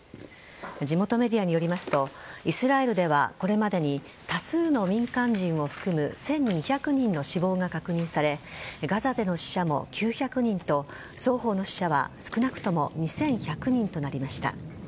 地元メディアによりますとイスラエルではこれまでに多数の民間人を含む１２００人の死亡が確認されガザでの死者も９００人と双方の死者は少なくとも２１００人となりました。